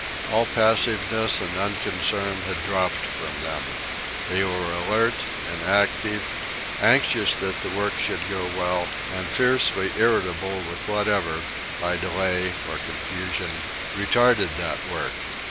All passiveness and unconcern had dropped from them. They were alert and active, anxious that the work should go well, and fiercely irritable with whatever, by delay or confusion, retarded that work.